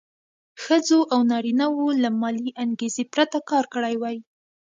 ښځو او نارینه وو له مالي انګېزې پرته کار کړی وای.